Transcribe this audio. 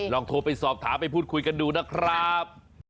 ลองโทรไปสอบถามไปพูดคุยกันดูนะครับ